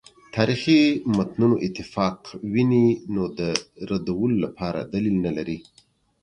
تاریخي متونو اتفاق ویني نو د ردولو لپاره دلیل نه لري.